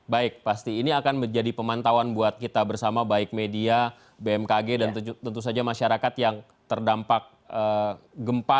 baik pasti ini akan menjadi pemantauan buat kita bersama baik media bmkg dan tentu saja masyarakat yang terdampak gempa